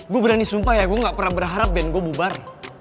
gue berani sumpah ya gue gak pernah berharap band gue bubar